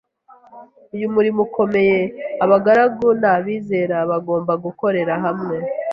uyu murimo ukomeye Abagabura n’abizera bagomba gukorera hamwe.